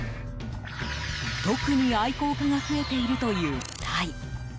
特に愛好家が増えているというタイ。